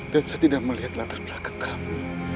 dan saya tidak melihat latar belakang kamu